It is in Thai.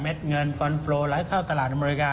เม็ดเงินฟอนฟล์โลหลายเข้าตลาดอเมริกา